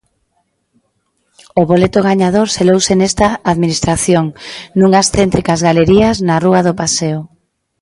O boleto gañador selouse nesta administración, nunhas céntricas galerías na rúa do Paseo.